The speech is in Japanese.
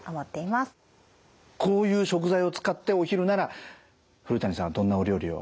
こういう食材を使ってお昼なら古谷さんはどんなお料理を？